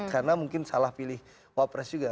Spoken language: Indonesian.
karena mungkin salah pilih wapres juga